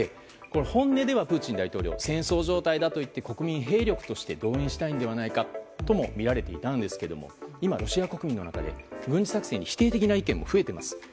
本音ではプーチン大統領戦争状態だと言って国民を兵力として動員したのではないかともみられていたんですが今、ロシア国民の中で軍事作戦に否定的な声も増えています。